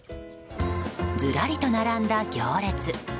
ずらりと並んだ行列。